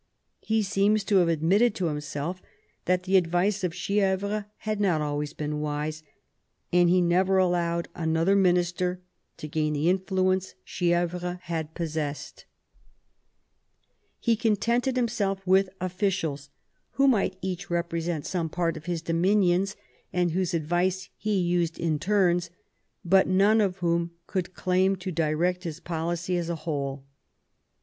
He seems to have ad mitted to himself that the advice of Chievres had not always been wise, and he never allowed another minister to gain the influence Chievres had possessed. He contented V THE CONFERENCE OF CALAIS 76 himself with officials who might each represent some part of his dominions, and whose advice he used in turns, but none of whom could claim to direct his policy as a whole.